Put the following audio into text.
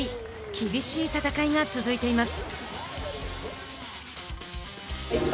厳しい戦いが続いています。